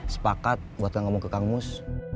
sepakat buat gak ngomong ke kang mus